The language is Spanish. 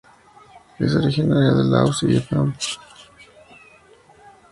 Es originaria de Laos y Vietnam.